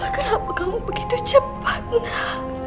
kenapa kamu begitu cepat nah